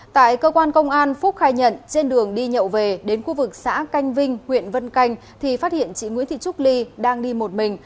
tại cơ quan công an phúc khai nhận trên đường đi nhậu về đến khu vực xã canh vinh huyện vân canh thì phát hiện chị nguyễn thị trúc ly đang đi một mình